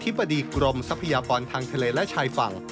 บดีกรมทรัพยากรทางทะเลและชายฝั่ง